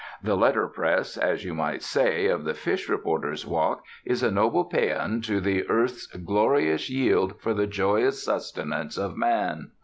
The letter press, as you might say, of the fish reporter's walk is a noble pæan to the earth's glorious yield for the joyous sustenance of man.